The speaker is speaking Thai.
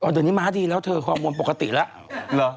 เดี๋ยวนี้มาก็ดีแล้วเธอความวงปกติแล้ว